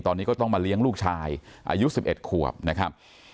ตอนนี้ก็ต้องมาเลี้ยงลูกชายอายุ๑๑ขวบนะครับ